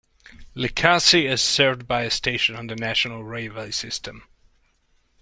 Likasi is served by a station on the national railway system.